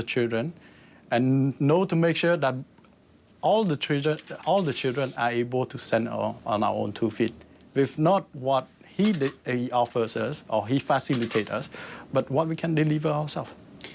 ให้มันผ่านพลังไว้ที่เราสามารถเชื่อและพอจะสามารถส่งสิ่งให้พวกเอง